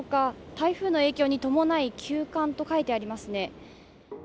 台風の影響に伴い、休館と書いてありますね。